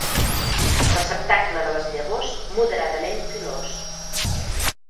Receptacle de les llavors moderadament pilós.